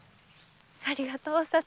ありがとう皐月。